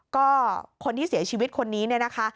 ก็คนที่เสียชีวิตคนนี้เนี่ยนะคะ